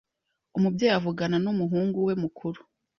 Umubyeyi avugana n’umuhungu we mukuru